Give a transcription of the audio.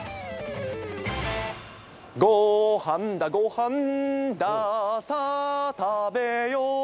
ごはんだ、ごはんだ、さぁ、食べよう。